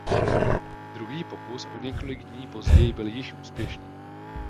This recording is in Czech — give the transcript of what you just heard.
Druhý pokus o několik dní později byl již úspěšný.